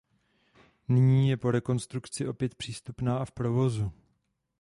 Nyní je po rekonstrukci opět přístupná a v provozu.